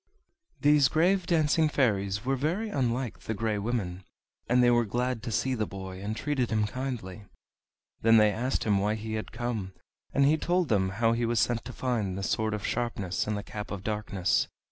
These grave dancing fairies were very unlike the Grey Women, and they were glad to see the boy, and treated him kindly. Then they asked him why he had come; and he told them how he was sent to find the Sword of Sharpness and the Cap of Darkness.